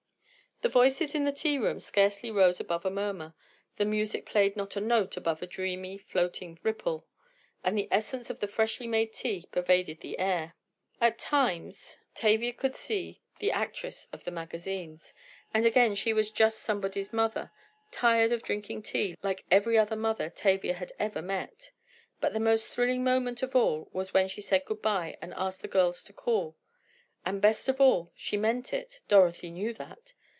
The voices in the tea room scarcely rose above a murmur; the music played not a note above a dreamy, floating ripple; and the essence of the freshly made tea pervaded the air. At times Tavia could see the actress of the magazines, and again she was just somebody's mother, tired out and drinking tea, like every mother Tavia had ever met. But the most thrilling moment of all was when she said good bye and asked the girls to call. And best of all, she meant it—Dorothy knew that!